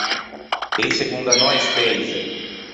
Ëse condannou a-e speise.